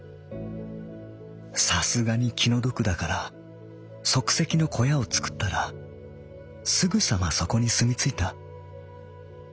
さすがに気の毒だから即席の小屋を作ったらすぐさまそこに住みついた。